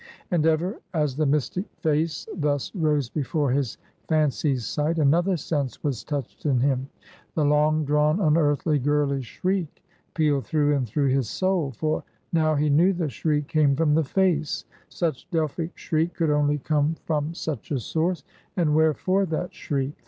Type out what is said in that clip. And ever, as the mystic face thus rose before his fancy's sight, another sense was touched in him; the long drawn, unearthly, girlish shriek pealed through and through his soul; for now he knew the shriek came from the face such Delphic shriek could only come from such a source. And wherefore that shriek?